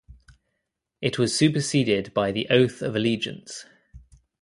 It was superseded by the oath of allegiance.